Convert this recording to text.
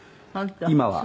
今は」